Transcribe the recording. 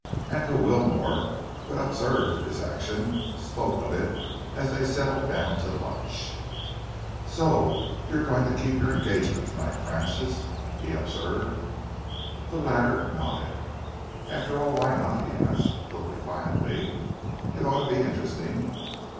Andrew Wilmore, who had observed his action, spoke of it as they settled down to lunch. "So you are going to keep your engagement tonight, Francis?" he observed. The latter nodded. "After all, why not?" he asked, a little defiantly. "It ought to be interesting."